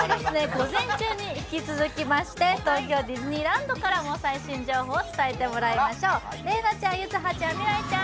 午前中に引き続きまして、東京ディズニーランドからも最新情報を伝えてもらいましょう。